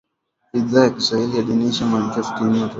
Idhaa ya Kiswahili yaadhimisha miaka sitini ya Matangazo